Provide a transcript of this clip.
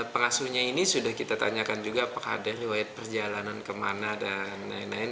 pengasuhnya ini sudah kita tanyakan juga apakah ada riwayat perjalanan kemana dan lain lain